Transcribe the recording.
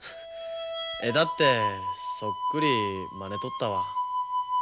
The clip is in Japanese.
絵だってそっくりマネとったわ。